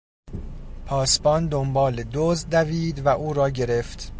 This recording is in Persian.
پاسبان دنبال دزد دوید و او را گرفت.